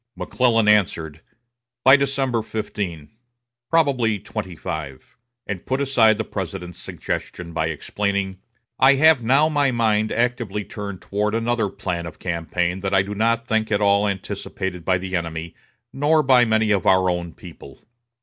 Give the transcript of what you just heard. McClellan answered: "By December 15, probably 25"; and put aside the President's suggestion by explaining: "I have now my mind actively turned toward another plan of campaign that I do not think at all anticipated by the enemy, nor by many of our own people."